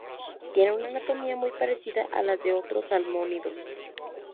Tiene una anatomía muy parecida a la de otros salmónidos.